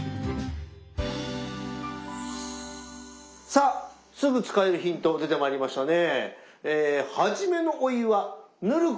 さあすぐ使えるヒント出てまいりましたね。